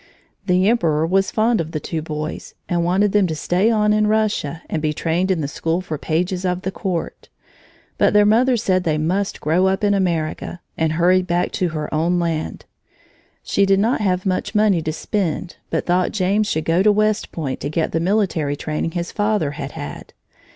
The emperor was fond of the two boys and wanted them to stay on in Russia and be trained in the school for pages of the Court. But their mother said they must grow up in America and hurried back to her own land. She did not have much money to spend but thought James should go to West Point to get the military training his father had had.